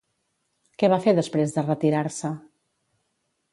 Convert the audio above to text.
Què va fer després de retirar-se?